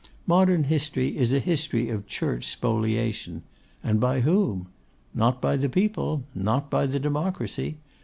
Modern history is a history of Church spoliation. And by whom? Not by the people; not by the democracy.